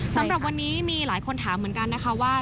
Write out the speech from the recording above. สำหรับวันนี้มีหลายคนถามเหมือนกันนะคะว่า